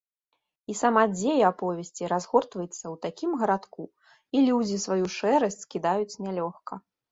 І сама дзея аповесці разгортваецца ў такім гарадку, і людзі сваю шэрасць скідаюць нялёгка.